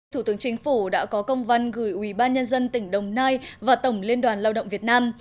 thủ tướng chính phủ đã có công văn gửi ubnd tỉnh đồng nai và tổng liên đoàn lao động việt nam